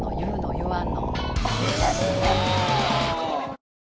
言わんの？